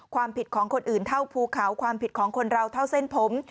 ความผิดของคนอื่นเท่าภูเขาความผิดของคนเราเท่าเส้นผม